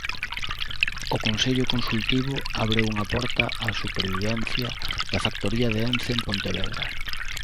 O Consello Consultivo abre unha porta á supervivencia da factoría de Ence en Pontevedra.